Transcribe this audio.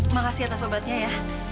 makasih atas obatnya ya